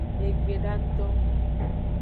Egbedato.